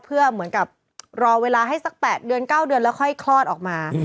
เพื่อเหมือนกับรอเวลาให้สัก๘เดือน๙เดือนแล้วค่อยคลอดออกมา